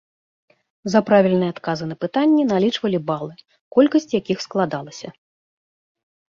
За правільныя адказы на пытанні налічвалі балы, колькасць якіх складалася.